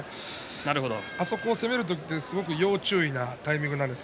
あそこは攻めるというのは要注意なタイミングです。